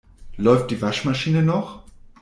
Läuft die Waschmaschine noch?